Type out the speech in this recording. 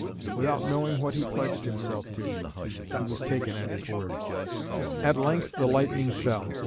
Without knowing what he pledged himself to, he was taken at his word. At length the lightning fell.